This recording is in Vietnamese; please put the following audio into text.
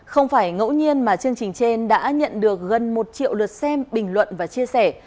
không phải ngẫu nhiên mà chương trình trên đã nhận được gần một triệu lượt xem bình luận và chia sẻ